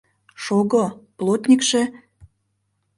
— Шого, плотникше...